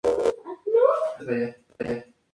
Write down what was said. Habita en Finlandia.